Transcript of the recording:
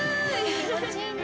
気持ちいいね。